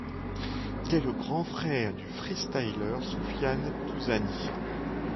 Il est le grand frère du freestyleur Soufiane Touzani.